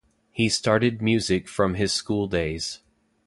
He started music from his school days.